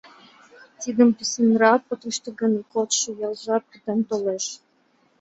Тидым писынрак от ыште гын, кодшо ялжат пытен толеш...